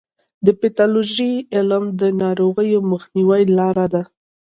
د پیتالوژي علم د ناروغیو د مخنیوي لاره ده.